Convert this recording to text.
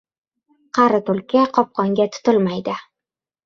• Qari tulki qopqonga tutilmaydi.